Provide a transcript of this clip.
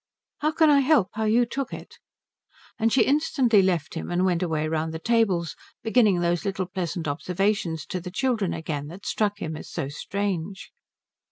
"How can I help how you took it?" And she instantly left him and went away round the tables, beginning those little pleasant observations to the children again that struck him as so strange.